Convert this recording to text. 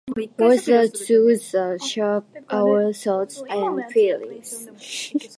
Words are tools that shape our thoughts and feelings.